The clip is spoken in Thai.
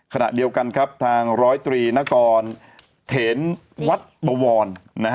ขณะเดียวกันครับทาง๑๐๓นเถนวัดบวร